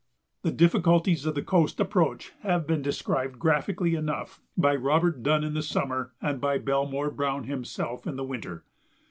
The difficulties of the coast approach have been described graphically enough by Robert Dunn in the summer and by Belmore Browne himself in the winter.